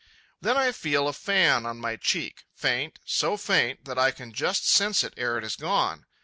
Then I feel a fan on my cheek, faint, so faint, that I can just sense it ere it is gone.